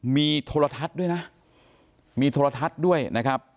มีโทรทัศน์ด้วยนะมีโทรทัศน์ด้วยนะครับ